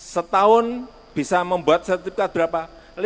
setahun bisa membuat sertifikat berapa